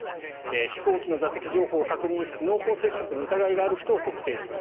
飛行機の座席情報を確認して濃厚接触の疑いがある人を特定します。